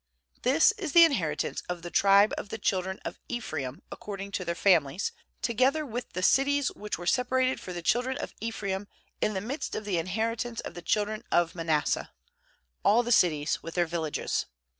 This is the inherit ance of the tribe of the children of Ephraim according to their families; together with the cities which were separated for the children of Ephraim in the midst of the inheritance of the 280 JOSHUA 17.16 children of Manasseh, all the cities with their villages.